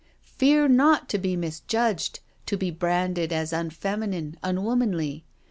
Fear not to be misjudged, to be branded as unfeminine, unwomanly.